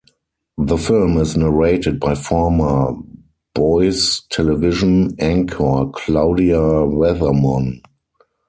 The film is narrated by former Boise television anchor Claudia Weathermon.